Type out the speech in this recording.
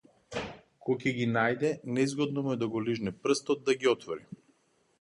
Ко ќе ги најде, незгодно му е да го лижне прстот да ги отвори.